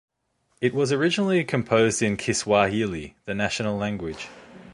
It was originally composed in Kiswahili, the national language.